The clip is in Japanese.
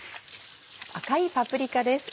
赤いパプリカです。